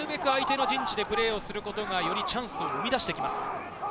ラグビーはなるべく相手の陣地でプレーをすることが、よりチャンスを生み出していきます。